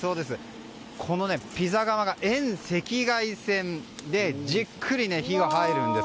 このピザ窯が遠赤外線でじっくり火が入るんです。